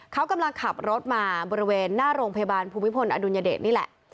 เขากำลังขับรถมาบริเวณหน้าโรงพยาบาลภูมิพลอดุลยเดชนี่แหละ